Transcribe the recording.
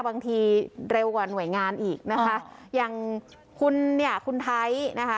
บางทีเร็วกว่าหน่วยงานอีกนะคะอย่างคุณเนี่ยคุณไทยนะคะ